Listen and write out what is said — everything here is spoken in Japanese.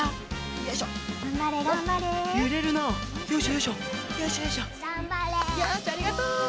よしありがとう！